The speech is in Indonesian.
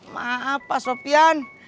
maaf pak sofyan